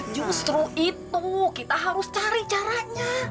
justru itu kita harus cari caranya